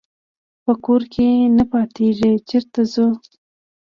دا په کور کې نه پاتېږي چېرته ځو.